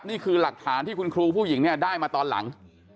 นี่คือหลักฐานที่คุณครูผู้หญิงเนี่ยได้มาตอนหลัง